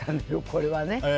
これはね。